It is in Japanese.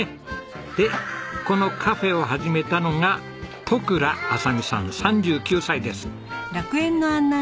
でこのカフェを始めたのが十倉亜沙美さん３９歳です。